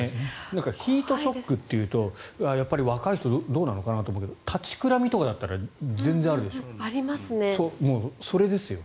ヒートショックっていうとやっぱり若い人どうなのかなと思うけど立ちくらみとかだったらありますね。